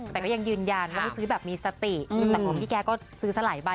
แต่ก็ยังยืนยันว่าไม่ซื้อแบบมีสติแต่ของพี่แกก็ซื้อสลายใบ